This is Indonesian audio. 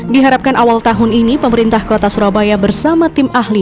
diharapkan awal tahun ini pemerintah kota surabaya bersama tim ahli